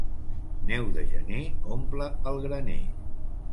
Neu de gener omple el graner.